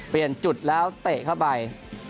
เปลี่ยนจุดแล้วเตะเข้าไป